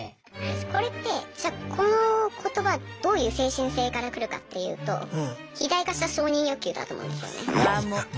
これってじゃあこの言葉どういう精神性から来るかっていうと肥大化した承認欲求だと思うんですよね。